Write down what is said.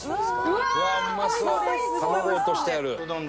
「うわっうまそう。卵落としてある」